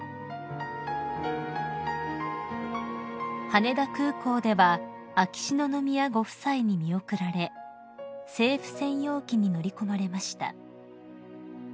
［羽田空港では秋篠宮ご夫妻に見送られ政府専用機に乗り込まれました］